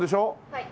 はい。